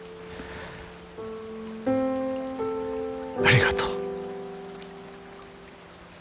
ありがとう。